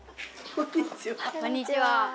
こんにちは。